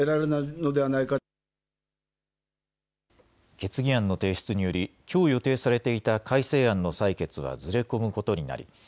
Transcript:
決議案の提出によりきょう予定されていた改正案の採決はずれ込むことになり